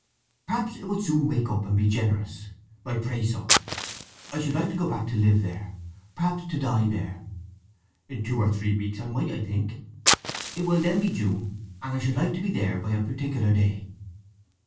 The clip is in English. Perhaps it will soon wake up, and be generous. I pray so! … I should like to go back to live there—perhaps to die there! In two or three weeks I might, I think. It will then be June, and I should like to be there by a particular day."